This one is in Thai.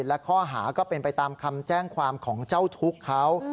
และข้อหาก็เป็นไปตามคำแจ้งความของเจ้าทุกข์เขา